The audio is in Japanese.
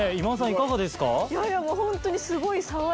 いかがですか？